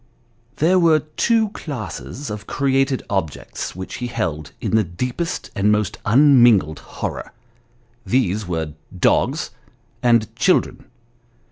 There were two classes of created objects which he held in the deepest and most unmingled horror ; these were dogs, and children.